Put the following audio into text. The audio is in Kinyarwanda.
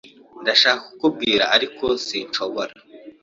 Ndashaka kukubwira, ariko sinshobora.